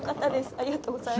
ありがとうございます。